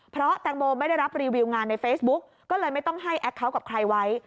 เพราะแตงโมไม่ได้รับรีวิวงานในเฟซบุ๊กก็เลยไม่ต้องให้แอคเคาน์กับใครไว้